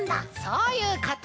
そういうこと！